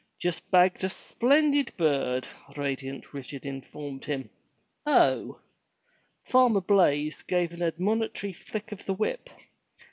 *'Just bagged a splendid bird!" radiant Richard informed him. *'0h!" Farmer Blaize gave an admonitory flick of the whip.